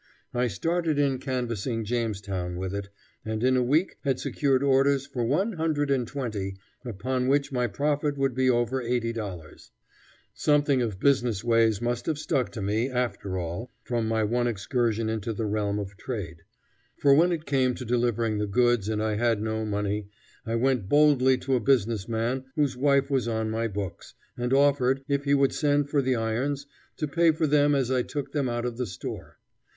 I started in canvassing Jamestown with it, and in a week had secured orders for one hundred and twenty, upon which my profit would be over $80. Something of business ways must have stuck to me, after all, from my one excursion into the realm of trade; for when it came to delivering the goods and I had no money, I went boldly to a business man whose wife was on my books, and offered, if he would send for the irons, to pay for them as I took them out of the store.